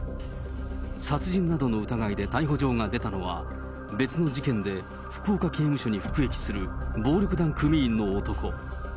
殺人などの疑いで逮捕状が出たのは、別の事件で福岡刑務所に服役する暴力団組員の男。